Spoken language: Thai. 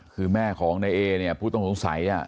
คือแม่ของในแอเนี่ยพูดต้องทวงสตร์ไหนอ่ะ